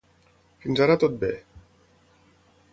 Fins ara tot bé.